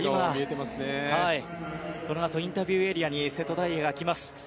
このあとインタビューエリアに瀬戸大也が来ます。